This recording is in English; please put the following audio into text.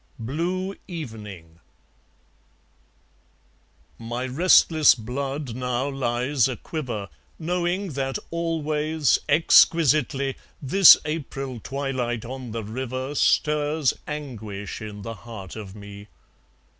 Blue Evening My restless blood now lies a quiver, Knowing that always, exquisitely, This April twilight on the river Stirs anguish in the heart of me.